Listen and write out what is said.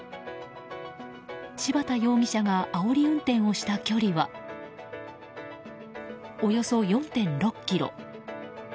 柴田容疑者があおり運転をした距離はおよそ４．６ｋｍ。